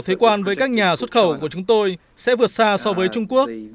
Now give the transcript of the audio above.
thuế quan với các nhà xuất khẩu của chúng tôi sẽ vượt xa so với trung quốc